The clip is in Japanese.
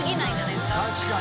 確かに。